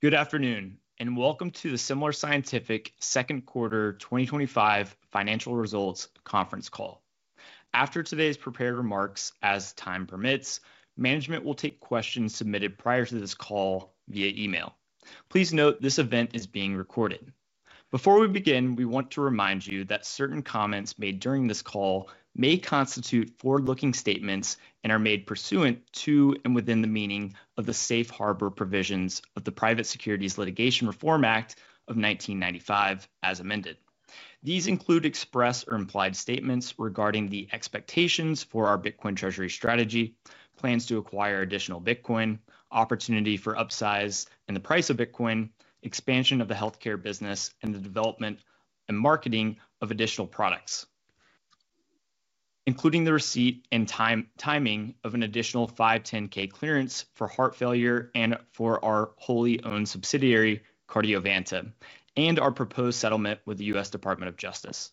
Good afternoon and welcome to the Semler Scientific Second Quarter 2025 Financial Results Conference Call. After today's prepared remarks, as time permits, management will take questions submitted prior to this call via email. Please note this event is being recorded. Before we begin, we want to remind you that certain comments made during this call may constitute forward-looking statements and are made pursuant to and within the meaning of the safe harbor provisions of the Private Securities Litigation Reform Act of 1995, as amended. These include express or implied statements regarding the expectations for our Bitcoin treasury strategy, plans to acquire additional Bitcoin, opportunity for upsize in the price of Bitcoin, expansion of the healthcare business, and the development and marketing of additional products, including the receipt and timing of an additional 510(k) clearance for heart failure and for our wholly owned subsidiary, CardioVanta, and our proposed settlement with the U.S. Department of Justice.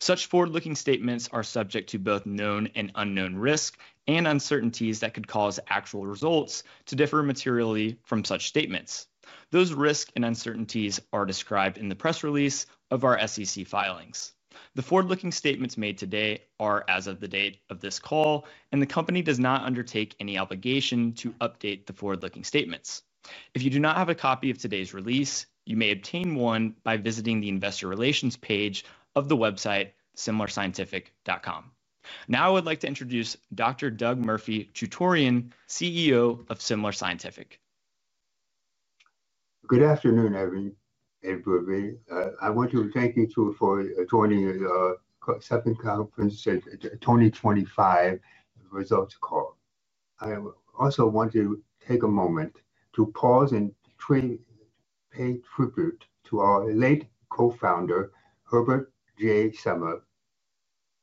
Such forward-looking statements are subject to both known and unknown risks and uncertainties that could cause actual results to differ materially from such statements. Those risks and uncertainties are described in the press release of our SEC filings. The forward-looking statements made today are as of the date of this call, and the company does not undertake any obligation to update the forward-looking statements. If you do not have a copy of today's release, you may obtain one by visiting the investor relations page of the website, semlerscientific.com. Now I would like to introduce Dr. Doug Murphy-Chutorian, CEO of Semler Scientific. Good afternoon, everybody. I want to thank you for joining the second conference at the 2025 results call. I also want to take a moment to pause and pay tribute to our late co-founder, Dr. Herbert J. Semler,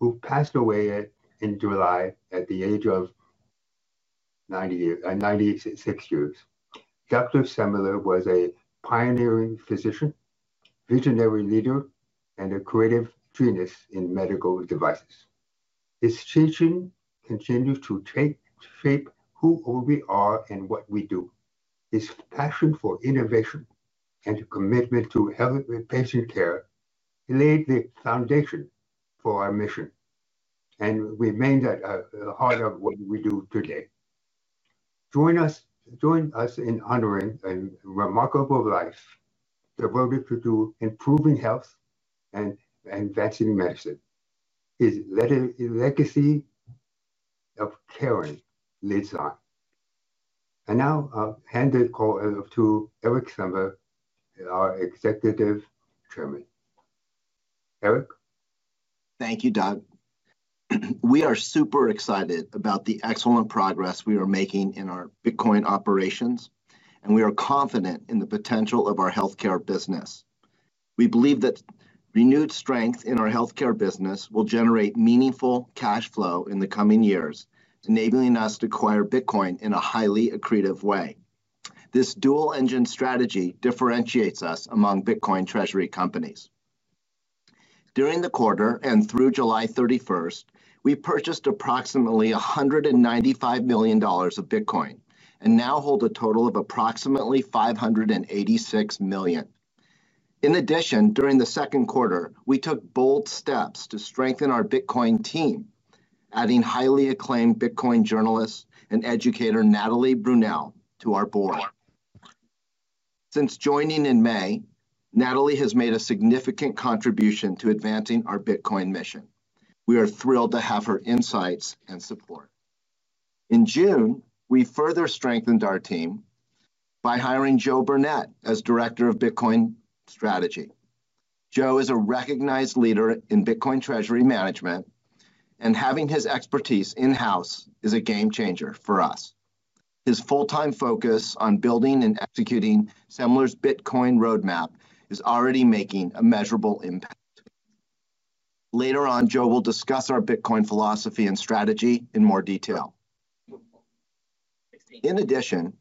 who passed away in July at the age of 96 years. Dr. Semler was a pioneering physician, visionary leader, and a creative genius in medical devices. His teaching continues to shape who we are and what we do. His passion for innovation and commitment to patient care laid the foundation for our mission and remains at the heart of what we do today. Join us in honoring a remarkable life devoted to improving health and advancing medicine. His legacy of caring leads on. I will hand the call over to Eric H. Semler, our Executive Chairman. Thank you, Doug. We are super excited about the excellent progress we are making in our Bitcoin operations, and we are confident in the potential of our healthcare business. We believe that renewed strength in our healthcare business will generate meaningful cash flow in the coming years, enabling us to acquire Bitcoin in a highly accretive way. This dual-engine strategy differentiates us among Bitcoin Treasury companies. During the quarter and through July 31, we purchased approximately $195 million of Bitcoin and now hold a total of approximately $586 million. In addition, during the second quarter, we took bold steps to strengthen our Bitcoin team, adding highly acclaimed Bitcoin journalist and educator Natalie Brunell to our board. Since joining in May, Natalie has made a significant contribution to advancing our Bitcoin mission. We are thrilled to have her insights and support. In June, we further strengthened our team by hiring Joe Burnett as Director of Bitcoin Strategy. Joe is a recognized leader in Bitcoin Treasury management, and having his expertise in-house is a game changer for us. His full-time focus on building and executing Semler's Bitcoin roadmap is already making a measurable impact. Later on, Joe will discuss our Bitcoin philosophy and strategy in more detail. In addition,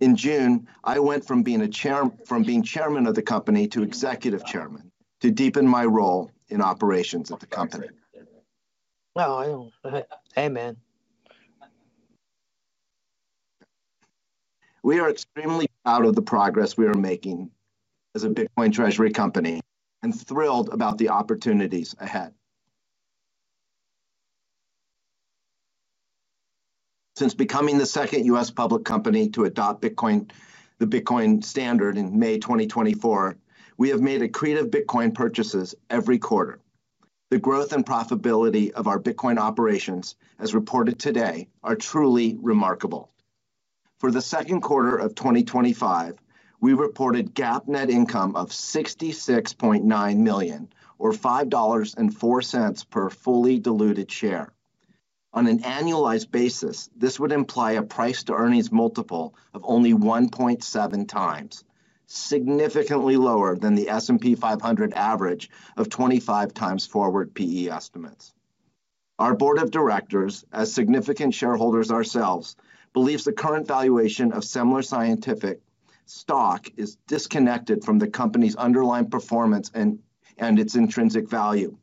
in June, I went from being Chairman of the company to Executive Chairman to deepen my role in operations of the company. Amen. We are extremely proud of the progress we are making as a Bitcoin Treasury company and thrilled about the opportunities ahead. Since becoming the second U.S. public company to adopt the Bitcoin standard in May 2024, we have made accretive Bitcoin purchases every quarter. The growth and profitability of our Bitcoin operations, as reported today, are truly remarkable. For the second quarter of 2025, we reported GAAP net income of $66.9 million, or $5.04 per fully diluted share. On an annualized basis, this would imply a price-to-earnings multiple of only 1.7x, significantly lower than the S&P 500 average of 25x forward P/E estimates. Our board of directors, as significant shareholders ourselves, believe the current valuation of Semler Scientific stock is disconnected from the company's underlying performance and its intrinsic value.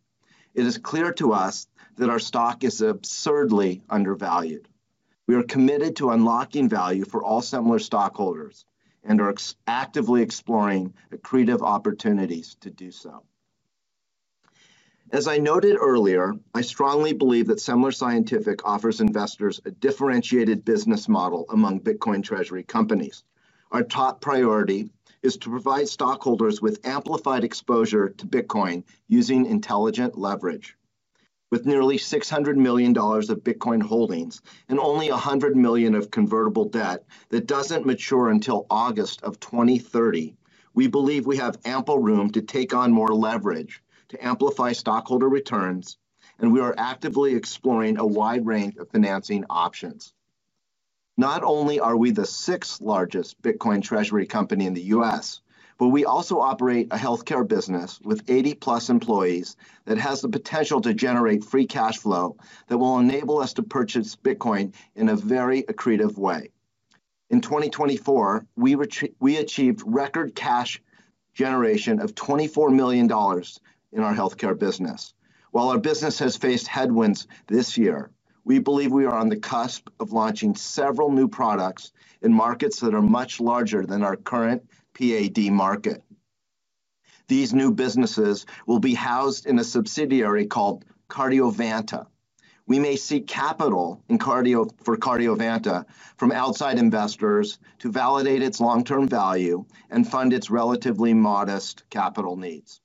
It is clear to us that our stock is absurdly undervalued. We are committed to unlocking value for all Semler stockholders and are actively exploring accretive opportunities to do so. As I noted earlier, I strongly believe that Semler Scientific offers investors a differentiated business model among Bitcoin Treasury companies. Our top priority is to provide stockholders with amplified exposure to Bitcoin using intelligent leverage. With nearly $600 million of Bitcoin holdings and only $100 million of convertible debt that doesn't mature until August of 2030, we believe we have ample room to take on more leverage to amplify stockholder returns, and we are actively exploring a wide range of financing options. Not only are we the sixth largest Bitcoin Treasury company in the U.S., we also operate a healthcare business with 80+ employees that has the potential to generate free cash flow that will enable us to purchase Bitcoin in a very accretive way. In 2024, we achieved record cash generation of $24 million in our healthcare business. While our business has faced headwinds this year, we believe we are on the cusp of launching several new products in markets that are much larger than our current PAD market. These new businesses will be housed in a subsidiary called CardioVanta. We may seek capital for CardioVanta from outside investors to validate its long-term value and fund its relatively modest capital needs.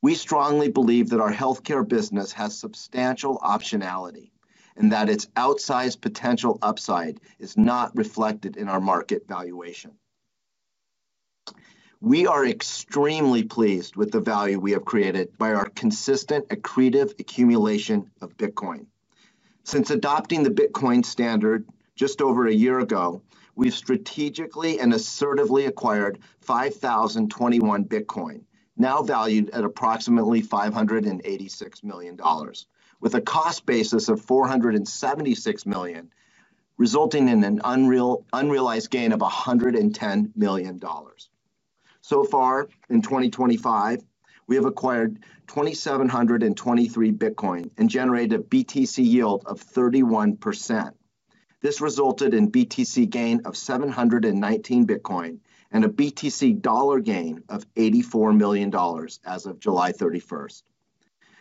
We strongly believe that our healthcare business has substantial optionality and that its outsized potential upside is not reflected in our market valuation. We are extremely pleased with the value we have created by our consistent accretive accumulation of Bitcoin. Since adopting the Bitcoin standard just over a year ago, we've strategically and assertively acquired 5,021 Bitcoin, now valued at approximately $586 million, with a cost basis of $476 million, resulting in an unrealized gain of $110 million. In 2025, we have acquired 2,723 Bitcoin and generated a BTC yield of 31%. This resulted in a BTC gain of 719 Bitcoin and a BTC dollar gain of $84 million as of July 31st.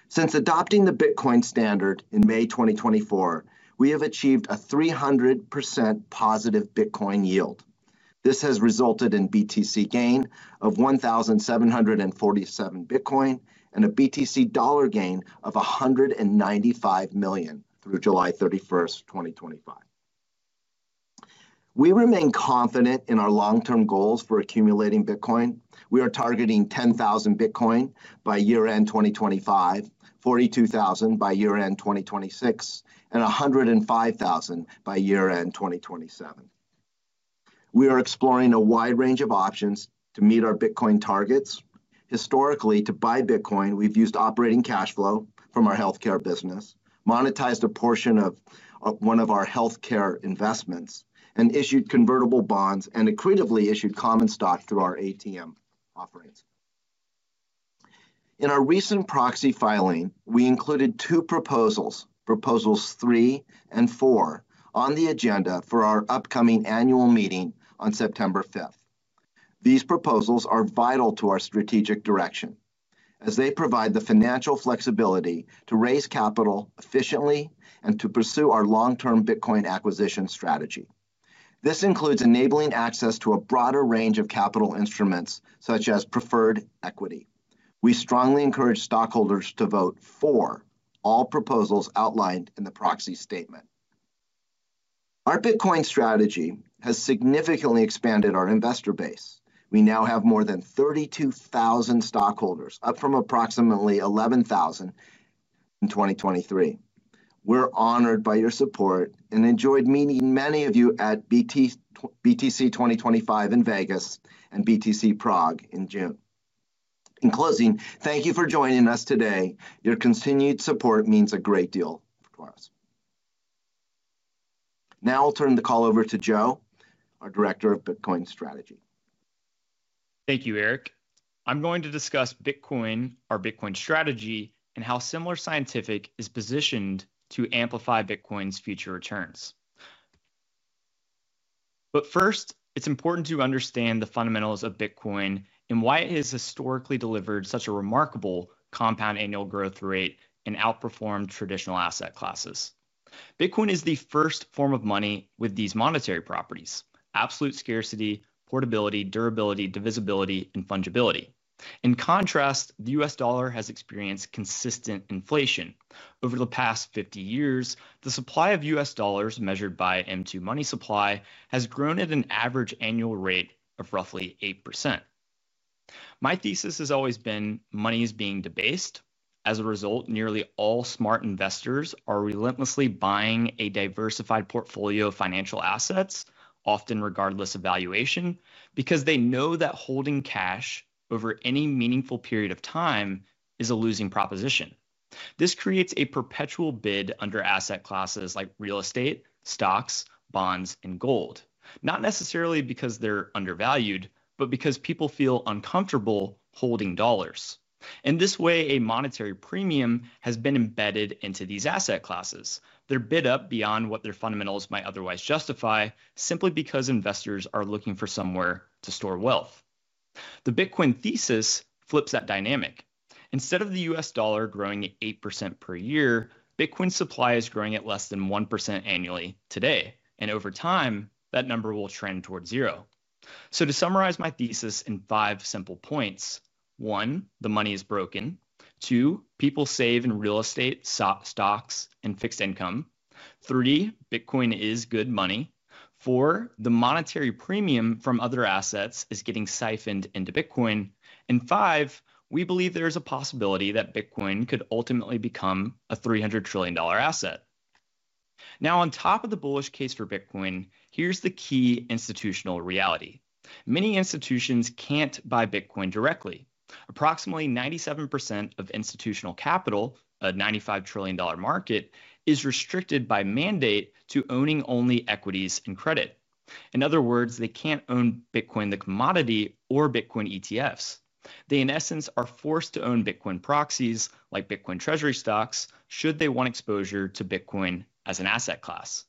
Since adopting the Bitcoin standard in May 2024, we have achieved a 300% positive Bitcoin yield. This has resulted in a BTC gain of 1,747 Bitcoin and a BTC dollar gain of $195 million through July 31st, 2025. We remain confident in our long-term goals for accumulating Bitcoin. We are targeting 10,000 Bitcoin by year-end 2025, 42,000 by year-end 2026, and 105,000 by year-end 2027. We are exploring a wide range of options to meet our Bitcoin targets. Historically, to buy Bitcoin, we've used operating cash flow from our healthcare business, monetized a portion of one of our healthcare investments, and issued convertible bonds and accretively issued common stock through our ATM offerings. In our recent proxy filing, we included two proposals, Proposals 3 and 4, on the agenda for our upcoming annual meeting on September 5th. These proposals are vital to our strategic direction, as they provide the financial flexibility to raise capital efficiently and to pursue our long-term Bitcoin acquisition strategy. This includes enabling access to a broader range of capital instruments, such as preferred equity. We strongly encourage stockholders to vote for all proposals outlined in the proxy statement. Our Bitcoin strategy has significantly expanded our investor base. We now have more than 32,000 stockholders, up from approximately 11,000 in 2023. We're honored by your support and enjoyed meeting many of you at BTC 2025 in Vegas and BTC Prague in June. In closing, thank you for joining us today. Your continued support means a great deal to us. Now I'll turn the call over to Joe, our Director of Bitcoin Strategy. Thank you, Eric. I'm going to discuss Bitcoin, our Bitcoin strategy, and how Semler Scientific is positioned to amplify Bitcoin's future returns. First, it's important to understand the fundamentals of Bitcoin and why it has historically delivered such a remarkable compound annual growth rate and outperformed traditional asset classes. Bitcoin is the first form of money with these monetary properties: absolute scarcity, portability, durability, divisibility, and fungibility. In contrast, the U.S. dollar has experienced consistent inflation. Over the past 50 years, the supply of U.S. dollars, measured by M2 money supply, has grown at an average annual rate of roughly 8%. My thesis has always been money is being debased. As a result, nearly all smart investors are relentlessly buying a diversified portfolio of financial assets, often regardless of valuation, because they know that holding cash over any meaningful period of time is a losing proposition. This creates a perpetual bid under asset classes like real estate, stocks, bonds, and gold, not necessarily because they're undervalued, but because people feel uncomfortable holding dollars. In this way, a monetary premium has been embedded into these asset classes. They're bid up beyond what their fundamentals might otherwise justify, simply because investors are looking for somewhere to store wealth. The Bitcoin thesis flips that dynamic. Instead of the U.S. dollar growing at 8% per year, Bitcoin's supply is growing at less than 1% annually today, and over time, that number will trend towards zero. To summarize my thesis in five simple points: one, the money is broken; two, people save in real estate, stocks, and fixed income; three, Bitcoin is good money; four, the monetary premium from other assets is getting siphoned into Bitcoin; and five, we believe there is a possibility that Bitcoin could ultimately become a $300 trillion asset. Now, on top of the bullish case for Bitcoin, here's the key institutional reality. Many institutions can't buy Bitcoin directly. Approximately 97% of institutional capital, a $95 trillion market, is restricted by mandate to owning only equities and credit. In other words, they can't own Bitcoin the commodity or Bitcoin ETFs. They, in essence, are forced to own Bitcoin proxies, like Bitcoin Treasury stocks, should they want exposure to Bitcoin as an asset class.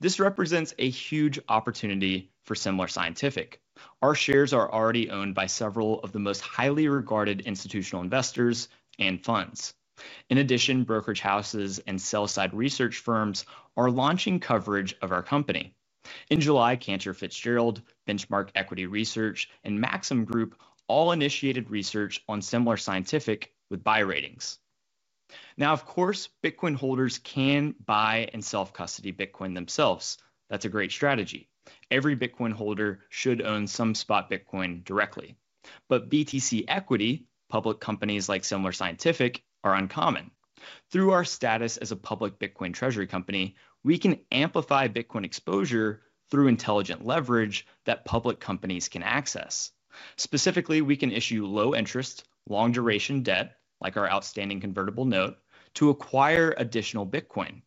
This represents a huge opportunity for Semler Scientific. Our shares are already owned by several of the most highly regarded institutional investors and funds. In addition, brokerage houses and sell-side research firms are launching coverage of our company. In July, Cantor Fitzgerald, Benchmark Equity Research, and Maxim Group all initiated research on Semler Scientific with buy ratings. Of course, Bitcoin holders can buy and sell custody Bitcoin themselves. That's a great strategy. Every Bitcoin holder should own some spot Bitcoin directly. BTC equity, public companies like Semler Scientific, are uncommon. Through our status as a public Bitcoin Treasury company, we can amplify Bitcoin exposure through intelligent leverage that public companies can access. Specifically, we can issue low-interest, long-duration debt, like our outstanding convertible note, to acquire additional Bitcoin.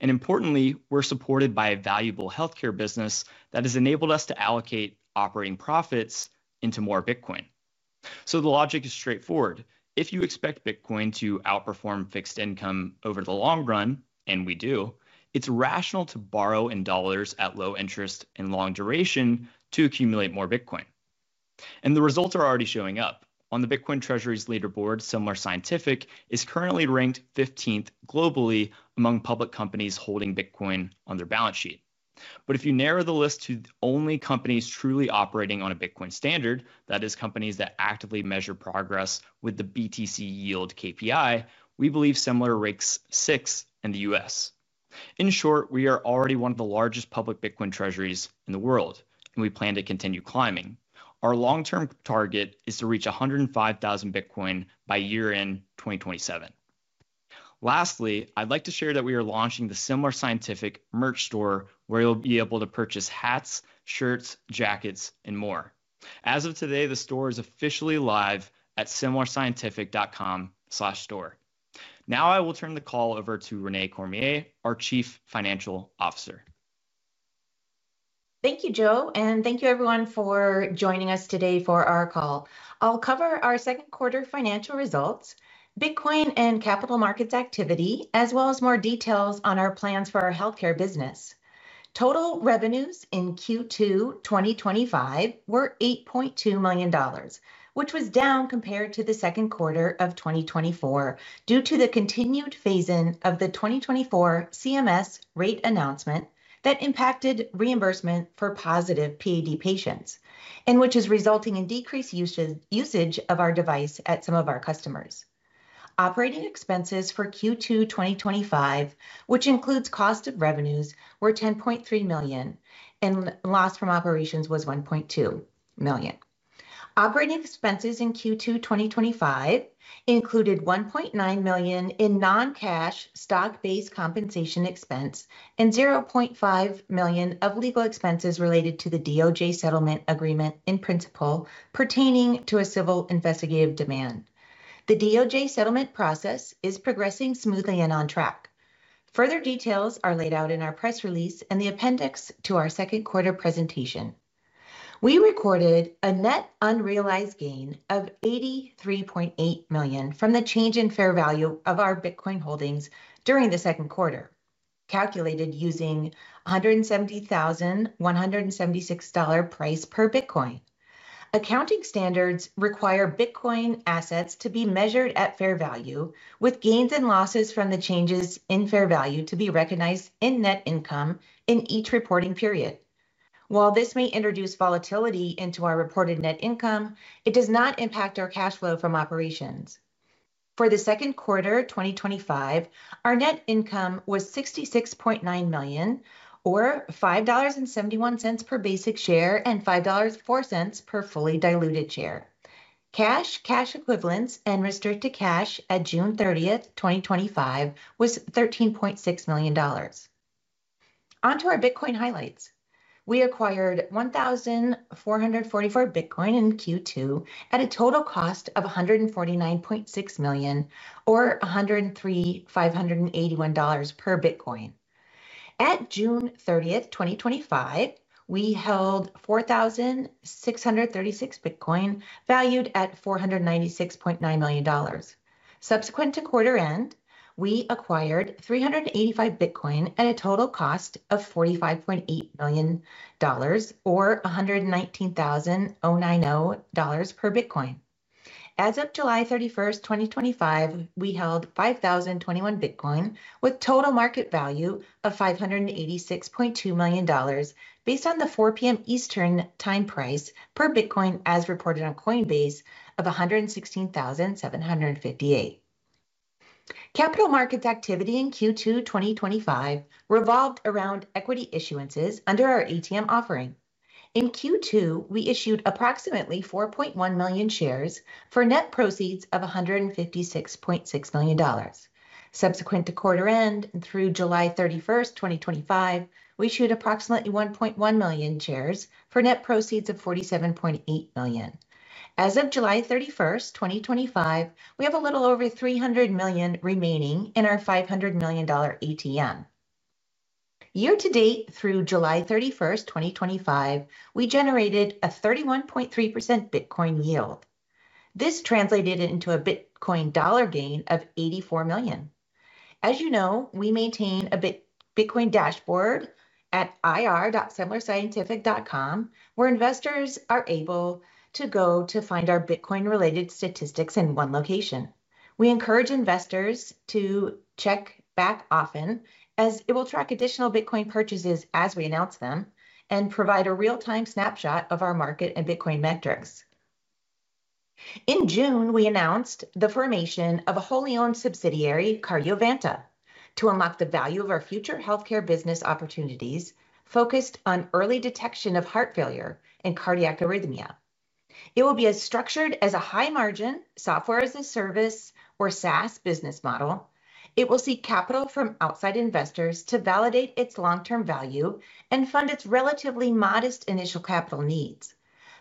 Importantly, we're supported by a valuable healthcare business that has enabled us to allocate operating profits into more Bitcoin. The logic is straightforward. If you expect Bitcoin to outperform fixed income over the long run, and we do, it's rational to borrow in dollars at low interest and long duration to accumulate more Bitcoin. The results are already showing up. On the Bitcoin Treasuries leaderboard, Semler Scientific is currently ranked 15th globally among public companies holding Bitcoin on their balance sheet. If you narrow the list to the only companies truly operating on a Bitcoin standard, that is companies that actively measure progress with the BTC yield KPI, we believe Semler ranks sixth in the U.S. In short, we are already one of the largest public Bitcoin treasuries in the world, and we plan to continue climbing. Our long-term target is to reach 105,000 Bitcoin by year-end 2027. Lastly, I'd like to share that we are launching the Semler Scientific merch store, where you'll be able to purchase hats, shirts, jackets, and more. As of today, the store is officially live at semlerscientific.com/store. Now I will turn the call over to Renae Cormier, our Chief Financial Officer. Thank you, Joe, and thank you everyone for joining us today for our call. I'll cover our second quarter financial results, Bitcoin and capital markets activity, as well as more details on our plans for our healthcare business. Total revenues in Q2 2025 were $8.2 million, which was down compared to the second quarter of 2024 due to the continued phasing of the 2024 CMS rate announcement that impacted reimbursement for positive PAD patients, and which is resulting in decreased usage of our device at some of our customers. Operating expenses for Q2 2025, which includes cost of revenues, were $10.3 million, and loss from operations was $1.2 million. Operating expenses in Q2 2025 included $1.9 million in non-cash stock-based compensation expense and $0.5 million of legal expenses related to the DOJ settlement agreement in principle pertaining to a civil investigative demand. The DOJ settlement process is progressing smoothly and on track. Further details are laid out in our press release and the appendix to our second quarter presentation. We recorded a net unrealized gain of $83.8 million from the change in fair value of our Bitcoin holdings during the second quarter, calculated using $170,176 price per Bitcoin. Accounting standards require Bitcoin assets to be measured at fair value, with gains and losses from the changes in fair value to be recognized in net income in each reporting period. While this may introduce volatility into our reported net income, it does not impact our cash flow from operations. For the second quarter 2025, our net income was $66.9 million, or $5.71 per basic share and $5.04 per fully diluted share. Cash, cash equivalents, and restricted cash at June 30th, 2025, was $13.6 million. Onto our Bitcoin highlights. We acquired 1,444 Bitcoin in Q2 at a total cost of $149.6 million, or $103,581 per Bitcoin. At June 30th, 2025, we held 4,636 Bitcoin valued at $496.9 million. Subsequent to quarter end, we acquired 385 Bitcoin at a total cost of $45.8 million, or $119,090 per Bitcoin. As of July 31st, 2025, we held 5,021 Bitcoin with total market value of $586.2 million based on the 4:00 P.M. Eastern time price per Bitcoin, as reported on Coinbase, of $116,758. Capital markets activity in Q2 2025 revolved around equity issuances under our ATM offering. In Q2, we issued approximately 4.1 million shares for net proceeds of $156.6 million. Subsequent to quarter end through July 31st, 2025, we issued approximately 1.1 million shares for net proceeds of $47.8 million. As of July 31st, 2025, we have a little over $300 million remaining in our $500 million ATM. Year-to-date, through July 31st, 2025, we generated a 31.3% Bitcoin yield. This translated into a Bitcoin dollar gain of $84 million. As you know, we maintain a Bitcoin dashboard at ir.semlerscientific.com, where investors are able to go to find our Bitcoin-related statistics in one location. We encourage investors to check back often, as it will track additional Bitcoin purchases as we announce them and provide a real-time snapshot of our market and Bitcoin metrics. In June, we announced the formation of a wholly owned subsidiary, CardioVanta, to unlock the value of our future healthcare business opportunities focused on early detection of heart failure and cardiac arrhythmia. It will be structured as a high-margin software as a service or SaaS business model. It will seek capital from outside investors to validate its long-term value and fund its relatively modest initial capital needs.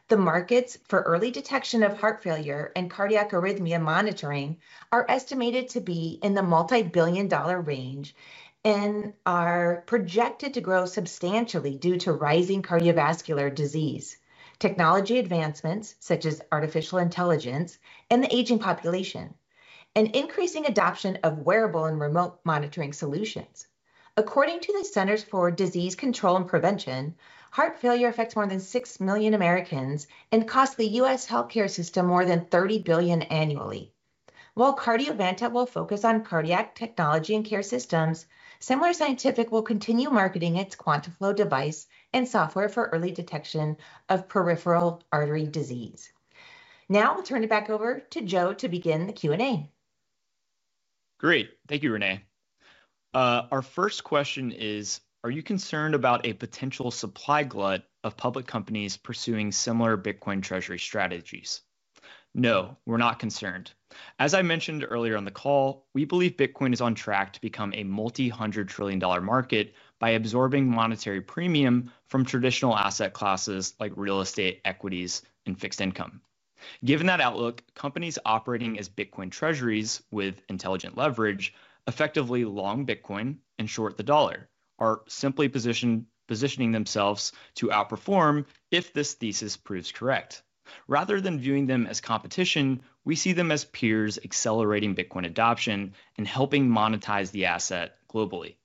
The markets for early detection of heart failure and cardiac arrhythmia monitoring are estimated to be in the multi-billion dollar range and are projected to grow substantially due to rising cardiovascular disease, technology advancements such as artificial intelligence and the aging population, and increasing adoption of wearable and remote monitoring solutions. According to the Centers for Disease Control and Prevention, heart failure affects more than 6 million Americans and costs the U.S. healthcare system more than $30 billion annually. While CardioVanta will focus on cardiac technology and care systems, Semler Scientific will continue marketing its QuantaFlo device and software for early detection of peripheral artery disease. Now I'll turn it back over to Joe to begin the Q&A. Great. Thank you, Renae. Our first question is, are you concerned about a potential supply glut of public companies pursuing similar Bitcoin treasury strategies? No, we're not concerned. As I mentioned earlier on the call, we believe Bitcoin is on track to become a multi-hundred trillion dollar market by absorbing monetary premium from traditional asset classes like real estate, equities, and fixed income. Given that outlook, companies operating as Bitcoin treasuries with intelligent leverage, effectively long Bitcoin and short the dollar, are simply positioning themselves to outperform if this thesis proves correct. Rather than viewing them as competition, we see them as peers accelerating Bitcoin adoption and helping monetize the asset globally.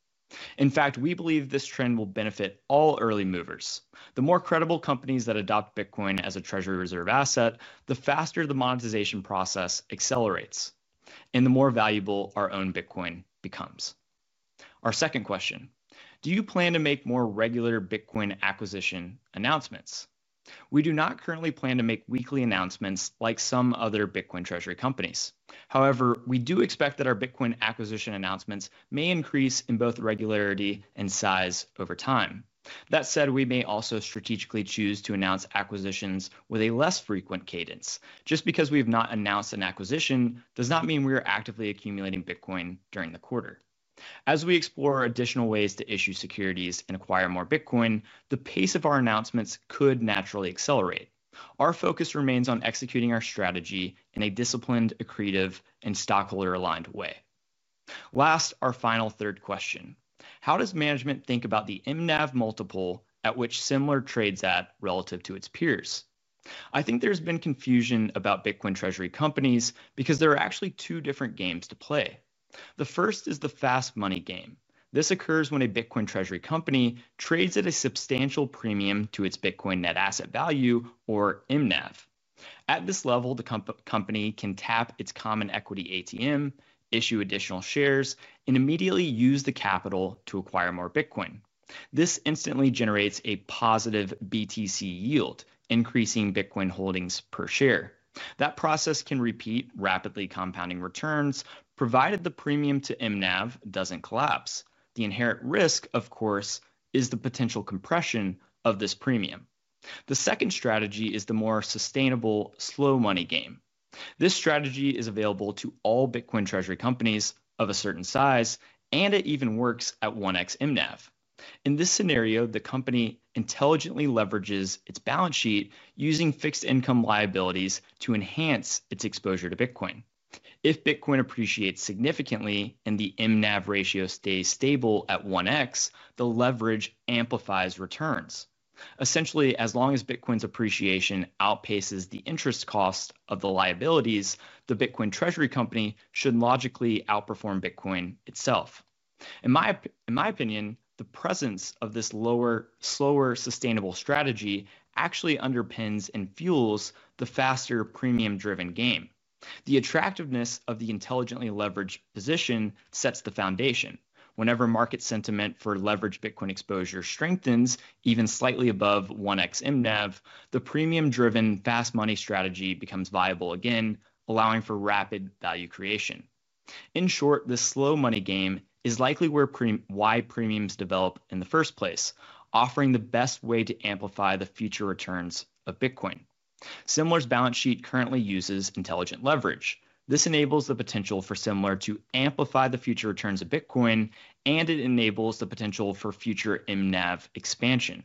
In fact, we believe this trend will benefit all early movers. The more credible companies that adopt Bitcoin as a treasury reserve asset, the faster the monetization process accelerates, and the more valuable our own Bitcoin becomes. Our second question, do you plan to make more regular Bitcoin acquisition announcements? We do not currently plan to make weekly announcements like some other Bitcoin treasury companies. However, we do expect that our Bitcoin acquisition announcements may increase in both regularity and size over time. That said, we may also strategically choose to announce acquisitions with a less frequent cadence. Just because we have not announced an acquisition does not mean we are actively accumulating Bitcoin during the quarter. As we explore additional ways to issue securities and acquire more Bitcoin, the pace of our announcements could naturally accelerate. Our focus remains on executing our strategy in a disciplined, accretive, and stockholder-aligned way. Last, our final third question, how does management think about the mNAV multiple at which Semler trades at relative to its peers? I think there's been confusion about Bitcoin treasury companies because there are actually two different games to play. The first is the fast money game. This occurs when a Bitcoin treasury company trades at a substantial premium to its Bitcoin net asset value, or mNAV. At this level, the company can tap its common equity ATM, issue additional shares, and immediately use the capital to acquire more Bitcoin. This instantly generates a positive BTC yield, increasing Bitcoin holdings per share. That process can repeat rapidly compounding returns, provided the premium to mNAV doesn't collapse. The inherent risk, of course, is the potential compression of this premium. The second strategy is the more sustainable slow money game. This strategy is available to all Bitcoin Treasury companies of a certain size, and it even works at 1x mNAV. In this scenario, the company intelligently leverages its balance sheet using fixed income liabilities to enhance its exposure to Bitcoin. If Bitcoin appreciates significantly and the mNAV ratio stays stable at 1x, the leverage amplifies returns. Essentially, as long as Bitcoin's appreciation outpaces the interest cost of the liabilities, the Bitcoin Treasury company should logically outperform Bitcoin itself. In my opinion, the presence of this lower, slower, sustainable strategy actually underpins and fuels the faster premium-driven game. The attractiveness of the intelligently leveraged position sets the foundation. Whenever market sentiment for leveraged Bitcoin exposure strengthens even slightly above 1x mNAV, the premium-driven fast money strategy becomes viable again, allowing for rapid value creation. In short, the slow money game is likely why premiums develop in the first place, offering the best way to amplify the future returns of Bitcoin. Semler Scientific's balance sheet currently uses intelligent leverage. This enables the potential for Semler Scientific to amplify the future returns of Bitcoin, and it enables the potential for future mNAV expansion.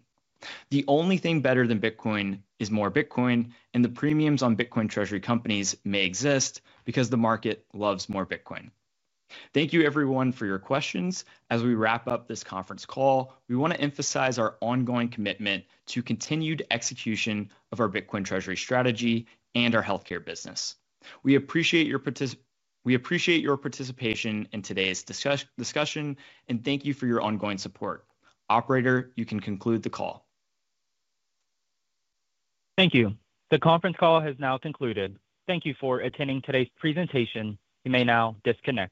The only thing better than Bitcoin is more Bitcoin, and the premiums on Bitcoin Treasury companies may exist because the market loves more Bitcoin. Thank you, everyone, for your questions. As we wrap up this conference call, we want to emphasize our ongoing commitment to continued execution of our Bitcoin Treasury strategy and our healthcare business. We appreciate your participation in today's discussion, and thank you for your ongoing support. Operator, you can conclude the call. Thank you. The conference call has now concluded. Thank you for attending today's presentation. You may now disconnect.